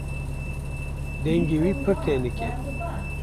Dengê wî pir tenik e.